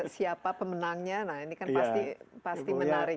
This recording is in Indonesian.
siapa pemenangnya nah ini kan pasti menarik